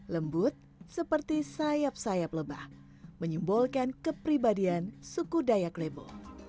lembut seperti sayap sayap lebah menyembolkan kepribadian suku dayak lebo